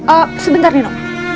eh sebentar nino